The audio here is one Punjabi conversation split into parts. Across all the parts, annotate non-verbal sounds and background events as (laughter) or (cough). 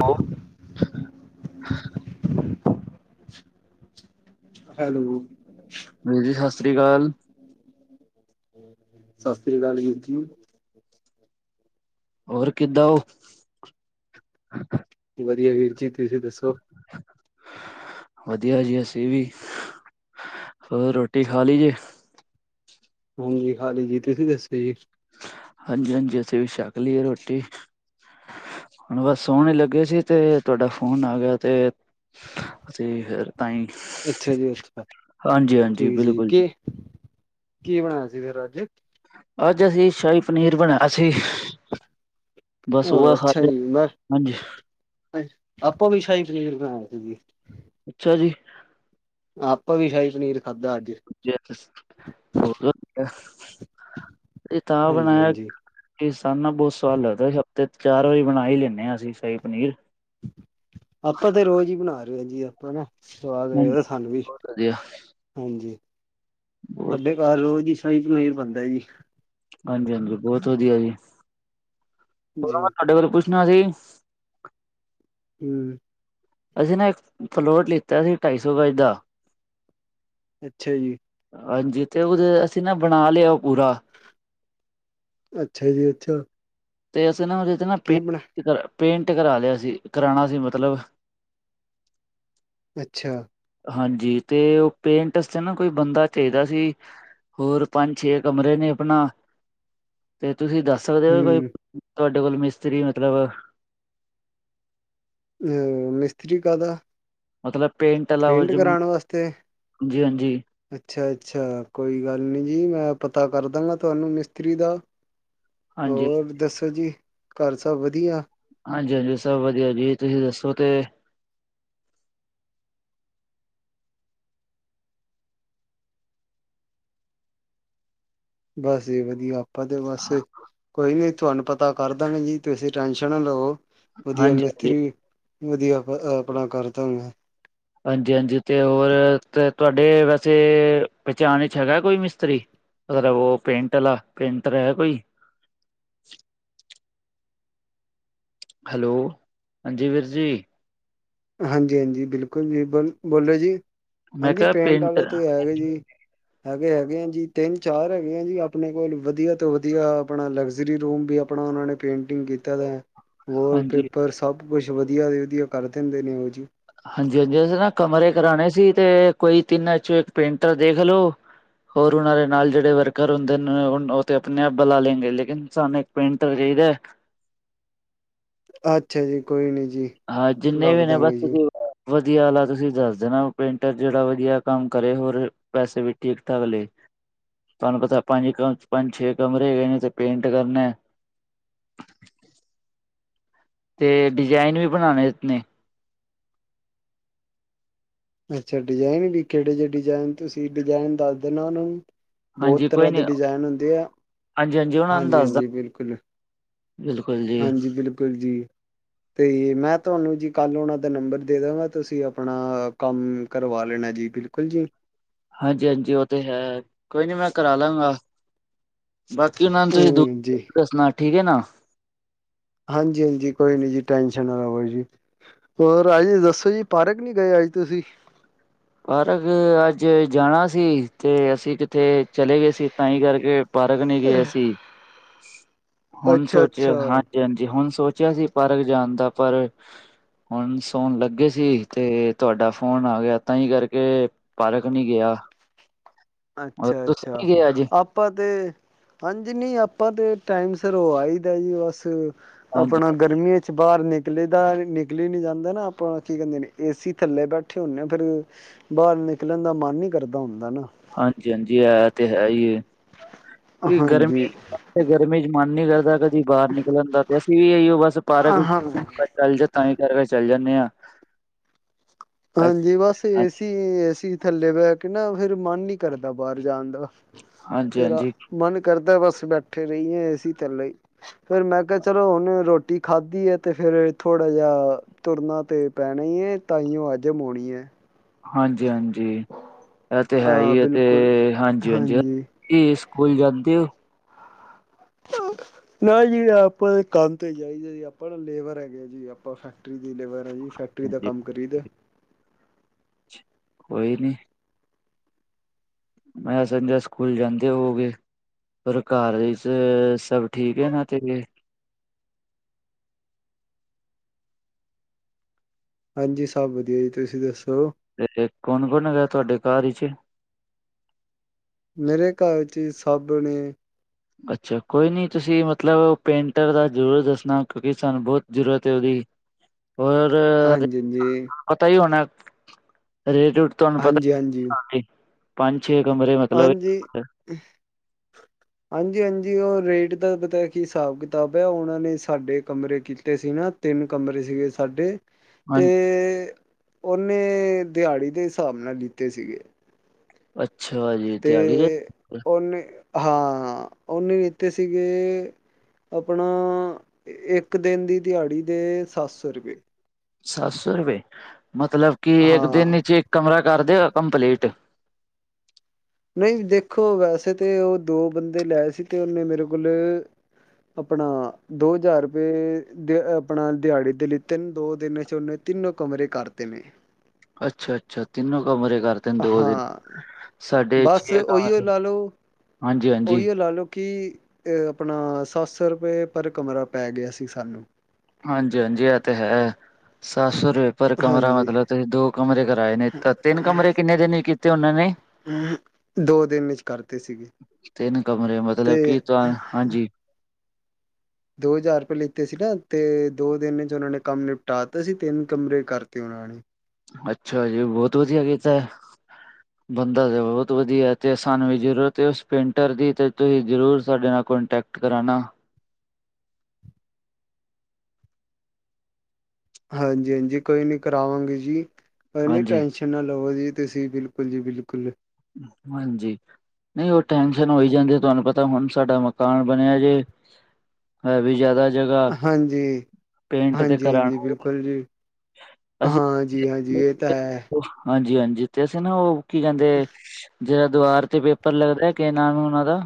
ਲੋ ਹੈਲੋ। ਹਾਂਜੀ, ਸਸ ਰੀਕਾਲ। ਸਸ ਰੀਕਾਲ ਵੀਰ ਜੀ। ਹੋਰ ਕਿਦਾਂ ਓ? ਵਧੀਆ ਵੀਰ ਜੀ, ਤੁਸੀਂ ਦੱਸੋ। ਵਧੀਆ ਜੀ ਅਸੀ ਵੀ। ਹੋਰ ਰੋਟੀ ਖਾ ਲਈ ਜੇ? ਹਾਂਜੀ, ਖਾਲੀ ਜੀ ਤੁਸੀਂ ਦੱਸੋ ਜੀ। ਹਾਂਜੀ-ਹਾਂਜੀ ਅਸੀ ਵੀ ਛੱਕ ਲਈ ਏ ਰੋਟੀ। ਹੁਣ ਬਸ ਸੋਣ ਈ ਲੱਗੇ ਸੀ, ਤੇ ਤੁਆਡਾ ਫੋਨ ਆ ਗਯਾ ਤੇ ਤੇ ਫਿਰ ਤਾਂਈ ਅੱਛਾ ਜੀ ਅੱਛਾ ਹਾਂਜੀ-ਹਾਂਜੀ, ਠੀਕ ਜੀ ਬਿਲਕੁਲ। ਕੀ ਕੀ ਬਣਾਯਾ ਸੀ ਫੇਰ ਅੱਜ? ਅੱਜ ਅਸੀਂ ਸ਼ਾਹੀ ਪਨੀਰ ਬਣਾਯਾ ਸੀ। ਬਸ ਉਹ ਓਆ ਅੱਛਾ ਖਾਦੇ, ਜੀ ਮੈਂ ਹਾਂਜੀ। ਆਪਾਂ ਵੀ ਸ਼ਾਹੀ ਪਨੀਰ ਬਣਾਯਾ ਸੀ ਜੀ। ਅੱਛਾ ਜੀ। ਆਪਾਂ ਵੀ ਸ਼ਾਹੀ ਪਨੀਰ ਖਾਦਾ ਅੱਜ। (unintelligible) ਏ ਤਾਂ ਹਾਂਜੀ ਬਨਾਯਾ ਹਾਂਜੀ ਤੇ ਸਾਨੂੰ ਨਾ ਬੋਤ ਸਵਾਦ ਲੱਗਦੈ, ਹਫ਼ਤੇ 'ਚ ਚਾਰ ਵਾਰੀ ਬਣਾ ਈ ਲੈਂਨੇ ਆਂ ਅਸੀ ਸ਼ਾਹੀ ਪਨੀਰ। ਆਪਾ ਤੇ ਰੋਜ਼ ਈ ਬਣਾਰੇ ਆਜੀ ਆ ਕੋਏ ਨਾ, ਸਵਾਦ ਹਾਂਜੀ ਲਗ (unintelligible) ਸਾਨੂੰ ਵੀ, ਬਹੁਤ ਵਧੀਆ ਆਜੀ ਬਹੁਤ ਸਾਡੇ ਘੱਰ ਰੋਜ ਈ ਸ਼ਾਈ ਪਨੀਰ ਬਣਦਾ ਯੀ ਹਾਂਜੀ-ਹਾਂਜੀ ਬੋਤ ਵਧੀਆ ਜੀ, ਜੀ (unintelligible) ਪੁੱਛਣਾ ਸੀ। ਹੂੰ ਅਸੀ ਨਾ ਇੱਕ ਫਲੋਟ ਲਿੱਤਾ ਸੀ ਢਾਈ ਸੌ ਗਾਜ ਦਾ ਅੱਛਾ ਜੀ। ਆਜੀ ਜਿਧੇ (unintelligible) ਅਸੀਂ ਨਾ ਬਣਾ ਲੇਓ ਪੂਰਾ ਅੱਛਾ ਜੀ ਅੱਛਾ ਤੇ ਅਸੀਂ ਨਾ ਓਦੇ ਤੇ ਨਾ ਪੇ ਕੀ ਬਣਾ ਕਰਾ, ਪੇਂਟ ਕਰਾ ਲੇਆ ਸੀ, ਕਰਾਣਾ ਸੀ ਮਤਲਬ ਅੱਛਾ ਹਾਂਜੀ, ਤੇ ਓ ਪੇਂਟ ਅਸ ਤੇ ਨਾ ਕੋਈ ਬੰਦਾ ਚਾਈਦਾ ਸੀ ਹੋਰ ਪੰਜ-ਛੇ ਕਮਰੇ ਨੇ ਅਪਣਾ, ਤੇ ਤੁਸੀਂ ਦੱਸ ਸਕਦੇ ਹੋ ਕੋਈ, ਹੂੰ ਤੋਆਡੇ ਕੋਲ ਮਿਸਤਰੀ ਮਤਲਬ (unintelligible) ਮਿਸਤਰੀ ਕਾਦਾ ਮਤਲਬ ਪੇਂਟ ਆਲਾ ਹੋਜੁਮ ਨਮਸਤੇ ਅਜੀ ਅੱਛਾ-ਅੱਛਾ ਕੋਈ ਗੱਲ ਨੀ ਜੀ ਮੈਂ ਪਤਾ ਕੱਰ ਦਾਂਗਾ ਤਵਾਨੂੰ ਮਿਸਤਰੀ ਦਾ ਹਾਂਜੀ ਹਾਂਜੀ ਓਰ ਦੱਸੋ ਜੀ ਘੱਰ ਸਭ ਵਧੀਆ ਹਾਂਜੀ-ਹਾਂਜੀ ਸਭ ਵਧੀਆ ਜੀ ਤੁਸੀਂ ਦੱਸੋ ਕੇ ਬੱਸ ਜੀ ਵਧੀਆ, ਅਪਾ ਤੇ ਬੱਸ ਕੋਈ ਨੀ ਤਵਾਨੂੰ ਪ ਤਾ ਕੱਰ ਦਾਗੇ ਜੀ ਤੁਸੀਂ ਟੈਸ਼ਨ ਨਾ ਲੋ, ਵਧੀਆ ਹਾਂਜੀ ਹਾਂਜੀ ਮਿਸਤਰੀ ਵਧੀਆ, ਆਪ ਅ ਆਪਣਾ ਕਾਰਦਾਂਂਗੇ ਆਜੀ-ਆਜੀ ਤੇ ਓ ਅ ਤ ਤੁਵਾਡੇ ਵੈਸੇ ਪਚਾਣ ਚ ਹੈਗਾ ਕੋਈ ਮਿਸਤਰੀ ਮਤਲਬ ਓ ਪੇਂਟ ਅਲਾ ਪੇਂਟਰ ਹੈਗਾ ਕੋਈ? ਹੈਲੋ ਆਜੀ ਵੀਰ ਜੀ। ਹਾਂਜੀ ਆਜੀ, ਬਿਲਕੁਲ ਜੀ ਬੋਲ ਬੋਲੋ ਜੀ, ਮੈਂ ਆਜੀ ਕਿਹਾ ਪੇਂਟ ਆਲੇ ਪੇਂਟਰ ਤੇ ਹੈਗਾ ਹਾਂਜੀ ਯੀ ਹੈਗੇ ੲੈਗੇ ਅਜੀ ਤੇਨ-ਚਾਰ ਐਗੇ ਜੀ ਆਪਣੇ ਕੋਲ ਵਧੀਆ ਤੋਂ ਵਧੀਆ ਆਪਣਾ ਲਗਜ਼ਰੀ ਰੂਮ ਵੀ ਅ ਪਣਾ ਓਨਾਂ ਨੇ ਪੇਂਟਿੰਗ ਕੀਤਾ ਦੈ। ਵੋਲਪੇਪਰ ਸਭ ਕੁਛ ਵਧੀਆ (unintelligible) ਵਧੀਆ ਕੱਰ ਦਿੰਦੇ ਨੇ ਓ ਜੀ ਹਾਂਜੀ-ਅਜੀ ਅਸੀਂ ਨਾ ਕਮਰੇ ਕਰਾਣੇ ਸੀ ਤੇ ਕੋਈ ਤਿੰਨ ਚੋ ਏਕ ਪੇਂਟਰ ਦੇਖ ਲੋ ਹੋਰ ਉਨਾ ਦੇ ਨਾਲ ਜਿੜੇ ਵਰਕਰ ਹੁੰਦੇ ਨੇ ਓ ਓਤੇ ਅਪਣੇ ਆਪ ਬੁਲਾ ਲੇਗੇ ਲੇਕਿਨ ਸਾਮਨੇ ਪੇਂਟਰ ਚਾਈਦਾ ਅੱਛਾ ਜੀ ਕੋਈ ਨੀ ਜੀ। ਹਾਂ ਜਿੰਨੇ ਲੱਭ ਵੀ ਨੇ ਬਸ ਦਾਂਗੇ ਜੀ ਤੁਸੀ ਓ ਕਰਾਦੋ ਵਧੀਆ ਆਲਾ ਤੁਸੀਂ ਦੱਸ ਦੇਣਾ, ਪੇਂਟਰ ਜਿੜਾ ਵਧੀਆ ਕੰਮ ਕਰੇ ਹੋਰ ਪੈਸੇ ਵੀ ਠੀਕ-ਠਾਕ ਲੇ ਤਾਨੂੰ ਪਤਾ, ਪੰਜ ਕਮ ਪੰਜ-ਛੇ ਕਮਰੇ ਹੇਗੇ ਨੇ ਤੇ ਪੇਂਟ ਕਰਨੈ ਤੇ ਡਿਜ਼ਾਇਨ ਵੀ ਬਣਾਣੇ ਨੇ ਅੱਛਾ ਡਜੈਨ ਵੀ ਕੇੜੇ ਜੇ ਡਜੈਨ ਤੁਸੀਂ ਡਜੈਨ ਦੱਸ ਦੇਣਾ ਓਨਾਂ ਨੂੰ ਬੋਤ ਹਾਂਜੀ ਤਰ੍ਹਾਂ ਕੋਈ ਦੇ ਨੀ ਡਿਜ਼ਾਨ ਹੁੰਦੇ ਐ, ਹਾਂਜੀ ਉਹਨਾਂ ਨੂੰ ਹਾਂਜੀ ਦੱਸਦਾ ਆਜੀ ਬਿਲਕੁਲ ਬਿਲਕੁਲ ਜੀ ਹਾਂਜੀ ਬਿਲਕੁਲ ਜੀ ਤੇ ਮੈਂ ਤਵਾਨੂੰ ਜੀ ਕੱਲ ਨੂੰ ਓਨਾ ਦਾ ਨੰਬਰ ਦੇ ਦਾਗਾ, ਤੁਸੀਂ ਅਪਣਾ, ਕੰਮ ਕਰਵਾ ਲੇਣਾ ਜੀ ਬਿਲਕੁਲ ਜੀ। ਹਾਂਜੀ, ਹਾਂਜੀ। ਉਹ ਤੇ ਹੈ ਕੋਈ ਨੀ ਮੈਂ ਕਰਾ ਲਾਂਗਾ। ਬਾਕੀ ਉਹਨਾ ਨੂੰ ਤੁਸੀਂ ਦ ਹੂੰ ਜੀ। ਦੱਸਣਾ ਠੀਕ ਹੈ ਨਾ ਹਾਂਜੀ, ਹਾਂਜੀ। ਕੋਈ ਨੀ ਜੀ ਟੈਸ਼ਨ ਨਾ ਲਵੋ ਜੀ। ਹੋਰ ਅੱਜ ਦੱਸੋ ਜੀ ਪਾਰਕ ਨੀ ਗਏ ਅੱਜ ਤੁਸੀਂ? ਪਾਰਕ ਅੱਜ ਜਾਣਾ ਸੀ ਤੇ ਅਸੀਂ ਕਿੱਥੇ ਚਲੇ ਗਏ ਸੀ ਤਾਂਹੀ ਕਰਕੇ ਪਾਰਕ ਨਹੀਂ ਗਿਏ ਅਸੀ ਹੁਣ ਸੋਚਿਆ ਹਾਂ ਅੱਛਾ-ਅੱਛਾ, ਹਾਂਜੀ, ਹੁਣ ਸੋਚਿਆ ਸੀ ਪਾਰਕ ਜਾਣ ਦਾ ਪਰ ਹੁਣ ਸੋਣ ਲੱਗੇ ਸੀ ਤੇ ਤੁਹਾਡਾ ਫੋਨ ਆ ਗਿਆ। ਤਾਂ ਹੀ ਕਰਕੇ ਪਾਰਕ ਨਹੀਂ ਗਿਆ। ਅੱਛਾ, ਤੁਸੀਂ ਅੱਛਾ ਨਹੀਂ ਗਏ ਅੱਜ ਆਪ ਆਪਾਂ ਤੇ ਹਾਂਜੀ ਨਹੀਂ ਆਪਾਂ ਤੇ ਟਾਈਮ ਸਿਰੋ ਹੋਆਈ ਦਾ ਜੀ ਬਸ ਹਾਂਜੀ, ਆਪਣਾ ਗਰਮੀਆਂ ਬਾਹਰ ਨਿਕਲੇ ਦਾ ਨਿਕਲੀ ਨਹੀਂ ਜਾਂਦਾ ਨਾ, ਆਪਾਂ ਕੀ ਕਹਿੰਦੇ ਨੇ ਏ ਸੀ ਥੱਲੇ ਬੈਠੇ ਹੁੰਦੇ ਫਿਰ ਬਾਹਰ ਨਿਕਲਣ ਦਾ ਮਨ ਨੀ ਕਰਦਾ ਹੁੰਦਾ ਨਾ। ਹਾਂਜੀ, ਹਾਂਜੀ ਇਹ ਤੇ ਹੈ ਏ। ਇਹ ਹਾਂਜੀ। ਗਰਮੀ ਤੇ ਗਰਮੀ ਚ ਮਨ ਨੀ ਕਰਦਾ ਕਦੀ ਬਾਹਰ ਨਿਕਲਣ ਦਾ ਤੇ ਅਸੀਂ ਵੀ ਇਹੀ ਉਹ ਬਸ ਪਾਰਕ ਹਾਂ ਤਾਂ ਹੀ ਕਰਕੇ ਚੱਲ ਜਾਂਨੇ ਆ। ਹਾਂਜੀ, ਬਸ ਏ ਹਾਂਜੀ, ਸੀ ਏ ਸੀ ਥੱਲੇ ਬਹਿ ਕੇ ਨਾ ਫਿਰ ਮਨ ਨਹੀਂ ਕਰਦਾ ਬਾਹਰ ਜਾਣ ਦਾ। ਹਾਂਜੀ, ਫਿਰ ਆ ਮਨ ਕਰਦਾ ਬਸ ਬੈਠੇ ਰਹੀਏ ਏ ਸੀ ਥੱਲੇ ਈ। ਫੇਰ ਮੈਂ ਕਿਹਾ ਚਲੋ ਹੁਨ ਰੋ ਰੋਟੀ ਖਾਧੀ ਹੈ ਤੇ ਫੇਰ ਥੋੜਾ ਜਿਹਾ ਤੁਰਨਾ ਤੇ ਪੈਣਾ ਈ ਏ ਤਾਂਓ ਅੱਜ ਜਮੋਣੀ ਏ। ਹਾਂਜੀ, ਹਾਂਜੀ ਇਹ ਤੇ ਹੈ ਈ ਹਾਂ ਏ ਤੇ ਬਿਲਕੁਲ ਹਾਂਜੀ, ਹਾਂਜੀ। ਇਹ ਸਕੂਲ ਜਾਂਦੇ ਹੋ। ਨਾ ਜੀ ਨਾਂ ਆਪਾਂ ਕੰਮ ਤੇ ਜਾਈਦਾ ਜੀ ਆਪਾਂ ਲੇਬਰ ਹੈਗੇ ਜੀ ਆਪਾਂ ਫੈਕਟਰੀ ਦੀ ਲੇਬਰ ਹੈ ਜੀ ਫੈਕਟਰੀ ਦਾ ਹਾਂਜੀ, ਕੰਮ ਕਰੀ ਦੈ। ਕੋਈ ਨਹੀਂ। ਮੈਂ ਸਮਝਿਆ ਸਕੂਲ ਜਾਂਦੇ ਹੋਵੇਗੇ। ਹੋਰ ਘਰ ਵਿੱਚ ਸਭ ਠੀਕ ਹੈ ਨਾ ਤੇਰੇ? ਹਾਂਜੀ, ਸਭ ਵਧੀਆ ਜੀ ਤੁਸੀਂ ਦੱਸੋ? ਕੌਣ ਕੌਣ ਹੈਗਾ ਤੁਹਾਡੇ ਘਰ ਵਿਚ। ਮੇਰੇ ਘਰ ਚ ਜੀ ਸਬ ਨੇ। ਅੱਛਾ, ਕੋਈ ਨਹੀਂ ਤੁਸੀਂ ਮਤਲਬ ਪੇਂਟਰ ਦਾ ਜ਼ਰੂਰ ਦੱਸਣਾ, ਕਿਉਂਕਿ ਸਾਨੂੰ ਬਹੁਤ ਜ਼ਰੂਰਤ ਹੈ ਉਹਦੀ। (inaudible) ਔਰ ਹਾਂਜੀ-ਹਾਂਜੀ, ਪਤਾ ਹੀ ਹੋਣਾ ਰੇਟ ਤੁਹਾਨੂੰ ਪਤਾ ਹਾਂਜੀ, ਹੀ ਹਾਂਜੀ। ਹੋਣਾ ਜੀ। ਪੰਜ ਛੇ ਕਮਰੇ ਮਤਲਬ ਹਾਂਜੀ। ਹਾਂਜੀ, ਹਾਂਜੀ ਉਹ ਰੇਟ ਦਾ ਪਤਾ ਕਿ ਹਿਸਾਬ ਕਿਤਾਬ ਹੈ ਉਹਨਾਂ ਨੇ ਸਾਡੇ ਕਮਰੇ ਕੀਤੇ ਸੀ ਨਾ। ਤਿੰਨ ਕਮਰੇ ਸੀਗੇ ਸਾਡੇ। ਹਾਂ ਤੇ ਉਹਨੇ ਦਿਹਾੜੀ ਦੇ ਹਿਸਾਬ ਨਾਲ ਲਿੱਤੇ ਸੀਗੇ। ਅੱਛਾ ਜੀ ਤੇ ਦਿਹਾੜੀ ਦ ਉਹਨੇ ਹਾਂ ਉਹਨੇ ਲੀਤੇ ਸੀਗੇ ਆਪਣਾ ਇੱਕ ਦਿਨ ਦੀ ਦਿਹਾੜੀ ਦੇ ਸੱਤ ਸੌ ਰੁਪਏ। ਸੱਤ ਸੌ ਰੁਪਏ ਮਤਲਬ ਕਿ ਇੱਕ ਹਾਂ ਦਿਨ ਚ ਇੱਕ ਕਮਰਾ ਕਰਦੇ ਆ ਕੰਪਲੀਟ। ਨਹੀਂ ਦੇਖੋ ਵੈਸੇ ਤੇ ਉਹ ਦੋ ਬੰਦੇ ਲਿਆ ਏ ਸੀ ਤੇ ਉਹਨੇ ਮੇਰੇ ਕੋਲ। ਆਪਣਾ ਦੋ ਹਜ਼ਾਰ ਰੁਪਏ। ਆਪਣਾ ਦਿਹਾੜੀ ਦੇ ਲਿੱਤੇ ਦੋ ਦਿਨ ਚ ਨੇ ਤਿੰਨੋ ਕਮਰੇ ਕਰਤੇ ਨੇ। ਅੱਛਾ-ਅੱਛਾ ਤਿੰਨੋ ਕਮਰੇ ਕਰ। ਹਾਂ ਬਸ ਛੇ ਉਹ ਹੀਓ ਕਮਰੇ ਲਾ ਲਓ ਹਾਂਜੀ ਉਹ ਹਾਂਜੀ ਹੀਓ ਲਾ ਲਓ। ਕੀ ਤੇ ਆਪਣਾ ਸੱਤ ਸੌ ਰੁਪਏ ਪਰ ਕਮਰਾ ਪੈ ਗਿਆ ਸੀ ਸਾਨੂੰ। ਹਾਂਜੀ-ਹਾਂਜੀ ਇਹ ਤੇ ਹੈ। ਸੱਤ ਸੌ ਰੁਪਏ ਪਰ ਕਮਰਾ ਹਾਂਜੀ ਮਤਲਬ ਤੁਸੀਂ ਦੋ ਕਮਰੇ ਕਰਾਏ ਨੇ ਤਾਂ ਤਿੰਨ ਕਮਰੇ ਕਿੰਨੇ ਦਿਨ ਹੀ ਕੀਤੇ ਉਹਨਾਂ ਨੇ। ਹਮ ਦੋ ਦਿਨ ਚ ਕਰਤੇ ਸੀਗੇ। ਤਿੰਨ ਕਮਰੇ ਮਤਲਬ ਕੀ ਤੇ ਤਾਂ ਹਾਂਜੀ। ਦੋ ਹਜ਼ਾਰ ਰੁਪਏ ਲਿਤੇ ਸੀ ਨਾ ਤੇ ਦੋ ਦਿਨ ਚ ਉਹਨਾਂ ਨੇ ਕੰਮ ਨਿਪਟਾਤਾ ਸੀ ਤਿੰਨ ਕਮਰੇ ਕਰਤੇ ਉਹਨਾਂ ਨੇ। ਅੱਛਾ ਜੀ ਬਹੁਤ ਵਧੀਆ ਕੀਤਾ। (inaudible) ਬੰਦਾ ਤਾਂ ਬਹੁਤ ਵਧੀਆ ਤੇ ਸਾਨੂੰ ਵੀ ਜ਼ਰੂਰਤ ਉਸ ਪੇਂਟਰ ਦੀ ਤੇ ਤੁਸੀਂ ਜ਼ਰੂਰ ਸਾਡੇ ਨਾਲ ਕੋਨਟੈਕਟ। ਕਰਾਣਾ। ਹਾਂਜੀ- ਹਾਂਜੀ ਕੋਈ ਨੀ ਕਰਾਵਾਂਗੇ ਜੀ ਪਹਲੋਂ ਹੀ ਟੈਸ਼ਨ। ਹਾਂਜੀ ਟੈਂਸ਼ਨ ਨਾ ਲਵੋ ਜੀ ਤੁਸੀਂ ਬਿਲਕੁਲ ਜੀ ਬਿਲਕੁਲ। ਹਾਂਜੀ। ਨਹੀਂ ਉਹ ਟੈਸ਼ਨ ਹੋ ਜਾਂਦੀ ਏ ਤੁਹਾਨੂੰ ਪਤਾ ਹੁਣ ਸਾਡਾ ਮਕਾਨ ਬਣਿਆ ਜੇ। ਹੈ ਵੀ ਜ਼ਿਆਦਾ। ਜਗ੍ਹਾ ਹਾਂਜੀ- ਪੇਂਟ ਤੇ ਹਾਂਜੀ- ਹਾਂਜੀ ਕਰਾਣਾ ਬਿਲਕੁਲ ਜੀ। ਅਸੀਂ ਹਾਂਜੀ -ਹਾਂਜੀ ਇਹ ਤਾਂ ਹੈ। ਹਾਂਜੀ- ਹਾਂਜੀ ਤੇ ਅਸੀਂ ਨਾ ਉਹ ਕੀ ਕਹਿੰਦੇ ਏ। ਜਿਹੜਾ ਦੀਵਾਰ ਤੇ ਪੇਪਰ ਲੱਗਦਾ ਕੀ ਨਾਂਮ ਏ ਉਹਨਾਂ ਦਾ।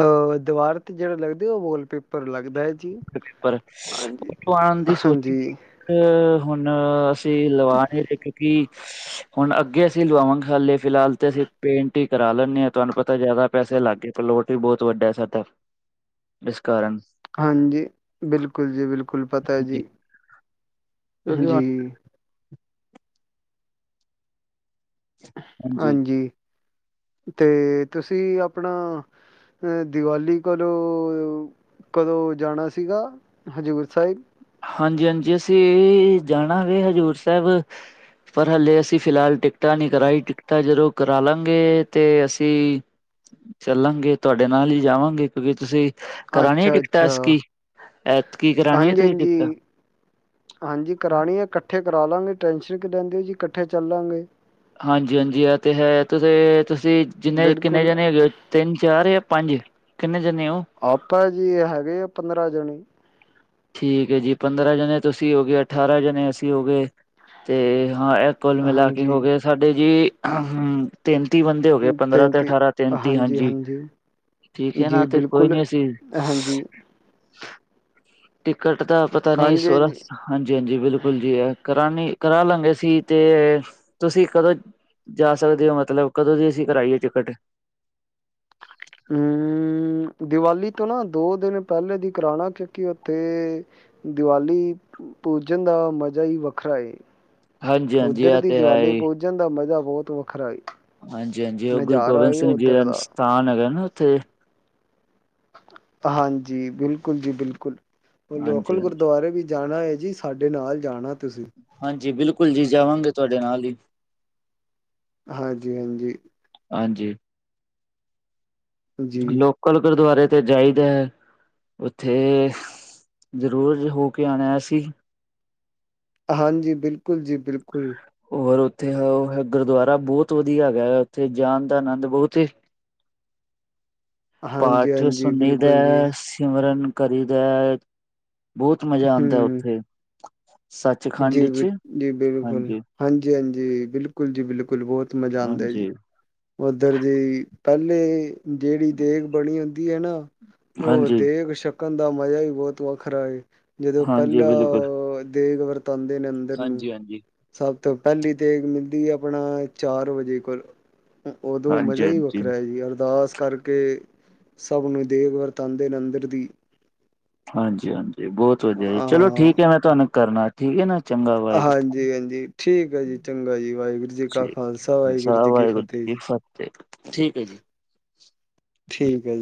ਅ ਦੀਵਾਰ ਤੇ ਜਿਹੜਾ ਲੱਗਦੇ ਉਹ ਵਾਲਪੇਪਰ ਲੱਗਦਾ ਹੈ। ਜੀ। ਵਾਲਪੇਪਰ ਹਾਂਜੀ, ਉਥੋਂ ਆਣ ਦੀ ਸੋਚਣੀ। ਹਾਂਜੀ, ਅ ਹੁਣ ਅਸੀਂ ਲਵਾ ਕੇ। ਕੀ ਹੁਣ ਅੱਗੇ ਅਸੀਂ ਲਵਾਵਾਂਗੇ ਹਾਲੇ ਫਿਲਹਾਲ ਤੇ ਅਸੀਂ ਪੇਂਟ। ਪੇਂਟ ਕਰਾ ਲੈਂਦੇ ਹਾਂ ਤੁਹਾਨੂੰ ਪਤਾ ਜ਼ਿਆਦਾ ਪੈਸੇ ਲੱਗ ਗਏ ਪਲੋਟ ਵੀ ਬਹੁਤ ਵੱਡਾ ਸਾਡਾ। ਇਸ ਕਾਰਨ। ਹਾਂਜੀ ਬਿਲਕੁਲ ਜੀ ਬਿਲਕੁਲ ਪਤਾ ਹੈ ਜੀ। ਕਿਉਂਕਿ ਹੁਣ ਜੀ-ਜੀ। ਹਾਂਜੀ ਤੇ ਤੁਸੀਂ ਆਪਣਾ। ਦੀਵਾਲੀ ਕੋਲ ਕਦੋਂ ਜਾਣਾ ਸੀਗਾ ਹਜ਼ੂਰ ਸਾਹਿਬ। ਹਾਂਜੀ - ਹਾਂਜੀ ਅਸੀਂ ਜਾਣਾ ਵੇ ਹਜ਼ੂਰ ਸਾਹਿਬ। ਪਰ ਹਲੇੇ ਅਸੀਂ ਫਿਲਹਾਲ ਟਿਕਟਾਂ ਨਹੀਂ ਕਰਾਈ ਟਿਕਟਾਂ ਜਦੋਂ ਕਰਾ ਲਾਂਗੇ ਤੇ ਅਸੀਂ। ਚੱਲਾਂਗੇ ਤੁਹਾਡੇ ਨਾਲ ਹੀ ਜਾਵਾਂਗੇ ਕਿਉਂਕਿ ਤੁਸੀਂ। ਕਰਾਣੀ ਟਿਕਟਾਂ ਅੱਛਾ-ਅੱਛਾ, ਅਤਕੀ ਐਤਕੀ ਕਰਾਣੀ ਹਾਂਜੀ-ਹਾਂਜੀ। ਹਾਂਜੀ ਤੁਸੀਂ ਟਿਕਟ। ਹਾਂਜੀ ਕਰਾਣੀ ਹੈ ਇਕੱਠੀ। ਇਕੱਠੇ ਕਰਾ ਲਵਾਂਗੇ ਟੈਂਸ਼ਨ ਕਿਉਂ ਲੈਂਦੇ ਹੋ ਜੀ ਇਕੱਠੇ ਚੱਲ ਲਾਂਗੇ। ਹਾਂਜੀ- ਹਾਂਜੀ ਐ ਤੇ ਹੈ ਤੇ ਤੁਸੀਂ ਜਿੰਨੇ ਕਿੰਨੇ ਬਿਲਕੁਲ, ਜਾਣੇ ਹੋ ਜੋ। ਤਿੰਨ ਚਾਰ ਯਾ ਪੰਜ ਕਿੰਨੇ ਜਣੇ ਹੋ। ਆਪਾਂ ਜੀ ਹੈਗੇ ਆ ਪੰਦਰਾਂ ਜਾਣੇ। ਠੀਕ ਹੈ ਜੀ ਪੰਦਰਾਂ ਜਣੇ ਤੁਸੀਂ ਹੋ ਗਏ ਅਠਾਰਾਂ ਜਣੇ ਅਸੀਂ ਹੋ ਗਏ ਤੇ ਹਾਂ। ਕੁੱਲ ਮਿਲਾ ਕੇ ਹਾਂਜੀ, ਹੋ ਗਏ ਸਾਡੇ ਜੀ ਹਮ। ਤੇਤੀ ਬੰਦੇ ਹੋ ਗਏ ਪੰਦਰਾਂ ਤੇ ਤੇ-ਤੇ ਅਠਾਰਾਂ ਤੇਤੀ ਹਾਂਜੀ। ਹਾਂਜੀ-ਹਾਂਜੀ, ਠੀਕ ਹੈ ਜੀ ਨਾ ਤੇ ਕੋਈ ਬਿਲਕੁਲ। ਨੀ ਅਸੀਂ ਹਾਂਜੀ, ਟਿਕਟ ਤਾਂ ਪਤਾ ਨਹੀਂ ਇਸ ਵਾਰ ਹਾਂਜੀ-ਹਾਂਜੀ। ਹਾਂਜੀ-ਹਾਂਜੀ ਬਿਲਕੁਲ ਜੀ ਆ ਕਰਾਂਣੀ ਕਰਾ ਲਾਂਗੇ ਸੀ ਤੇ ਤੁਸੀਂ ਕਦੋਂ ਜਾ ਸਕਦੇ ਹੋ ਮਤਲਬ ਕਦੋਂ ਦੀ ਅਸੀਂ ਕਰਾਈਏ ਟਿਕਟ। ਹੂੰ ਦੀਵਾਲੀ ਤੋਂ ਨਾ ਦੋ ਦਿਨ ਪਹਿਲੇ ਦੀ ਕਰਾਲਾਂਗੇ ਕਿਉਂਕਿ ਉੱਥੇ ਦੀਵਾਲੀ ਪੂਜਣ ਦਾ ਮਜ਼ਾ ਈ ਵੱਖਰਾ ਏ। ਹਾਂਜੀ-ਹਾਂਜੀ ਉੱਧਰ ਇਹ ਦੀ ਤੇ ਹੈ ਦੀਵਾਲੀ ਹੀ। ਪੂਜਣ ਦਾ ਮਜ਼ਾ ਬਹੁਤ ਵੱਖਰਾ ਏ। ਹਾਂਜੀ-ਹਾਂਜੀ ਉਹ ਗੁਰੂ ਨਜ਼ਾਰਾ ਗੋਬਿੰਦ ਏ ਸਿੰਘ ਜੀ ਦਾ ਉੱਧਰ ਸਥਾਨ ਹੈਗਾ ਨਾ ਉੱਥੇ। ਹਾਂਜੀ ਬਿਲਕੁਲ ਜੀ ਬਿਲਕੁਲ, ਹਾਂਜੀ-ਹਾਂਜੀ। ਲੋਕਲ ਹਾਂਜੀ ਗੁਰਦੁਆਰੇ ਵੀ ਜਾਣਾ ਹੈ ਜੀ ਸਾਡੇ ਨਾਲ ਜਾਣਾ ਤੁਸੀਂ। ਹਾਂਜੀ ਬਿਲਕੁਲ ਜੀ ਜਾਵਾਂਗੇ ਤੁਹਾਡੇ ਨਾਲ ਈ। ਹਾਂਜੀ-ਹਾਂਜੀ। ਹਾਂਜੀ। ਜੀ, ਲੋਕਲ ਗੁਰਦੁਆਰੇ ਤੇ ਜਾਈਦਾ ਏ, ਉੱਥੇ ਜ਼ਰੂਰ ਹੋ ਕੇ ਆਣਾ ਅਸੀਂ। ਹਾਂਜੀ ਬਿਲਕੁਲ ਜੀ ਬਿਲਕੁਲ। ਔਰ ਉੱਥੇ ਹੋਰ ਗੁਰਦੁਆਰਾ ਬਹੁਤ ਵਧੀਆ ਹੈਗਾ ਏ ਉੱਥੇ ਜਾਣ ਦਾ ਆਨੰਦ ਬਹੁਤ ਈ ਪਾਠ ਹਾਂਜੀ-ਹਾਂਜੀ, ਸੁਨੀ ਦਾ ਬਿਲਕੁਲ ਜੀ, ਸਿਮਰਨ ਕਰੀ ਦਾ, ਬਹੁਤ ਮਜ਼ਾ ਆਂਦਾ ਹੂੰ। ਉੱਥੇ। ਸੱਚਖੰਡ ਵਿੱਚ ਜੀ ਬਿਲਕੁਲ, ਹਾਂਜੀ-ਹਾਂਜੀ, ਹਾਂਜੀ-ਹਾਂਜੀ ਬਿਲਕੁਲ ਜੀ ਬਿਲਕੁਲ ਬਹੁਤ ਮਜ਼ਾ ਆਂਦਾ ਜੀ। ਉੱਧਰ ਜੀ ਪਹਿਲੇ ਜਿਹੜੀ ਦੇਗ ਬਣੀ ਹੁੰਦੀ ਏ ਆ ਨਾ ਉਹ ਦੇਗ ਛਕ ਕਣ ਦਾ ਮਜ਼ਾ ਈ ਬਹੁਤ ਵੱਖਰਾ ਏ ਜਦੋਂ ਹਾਂਜੀ-ਹਾਂਜੀ ਬਿਲਕੁਲ ਪਹਿਲਾਂ ਦੇਗ ਵਰ ਤਾ ਆਂਦੇ ਨੇ ਅੰਦਰ ਨੂੰ ਹਾਂਜੀ-ਹਾਂਜੀ, ਸਭ ਤੋਂ ਪਹਿਲੀ ਤੇ ਮਿਲਦੀ ਆਪਣਾ ਚਾਰ ਵਜੇ ਕੋਲ। ਉਦੋਂ ਮਜ਼ਾ ਈ ਹਾਂਜੀ-ਹਾਂਜੀ। ਵੱਖਰਾ ਹੈ ਜੀ ਅਰਦਾਸ ਕਰ ਕੇ, ਸਭ ਨੂੰ ਦੇਗ ਵਰਤਾਦੇ ਨੇ ਅੰਦਰ ਦੀ। ਹਾਂਜੀ-ਹਾਂਜੀ ਬਹੁਤ ਵਧੀਆ ਜੀ ਚਲੋ ਹਾਂ ਠੀਕ ਹੈ ਮੈਂ ਤੁਹਾਨੂੰ ਕਰਨਾ ਠੀਕ ਹੈ ਨਾ ਚੰਗਾ ਵਾ। ਹਾਂਜੀ-ਹਾਂਜੀ ਠੀਕ ਹੈ ਜੀ ਚੰਗਾ ਜੀ ਵਾਹਿਗੁਰੂ ਜੀ ਕਾ ਖਾਲਸਾ ਵਾਹਿਗੁਰੂ ਜੀ ਕੀ ਫਤਿਹ ਜੀ। ਠੀਕ ਏ ਜੀ। ਠੀਕ ਏ ਜੀ।